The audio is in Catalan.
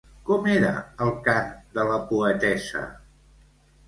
Com era el cant de la poetessa?